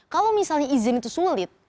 kalau misalnya izin itu sulit